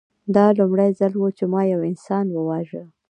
دا لومړی ځل و چې ما یو انسان وواژه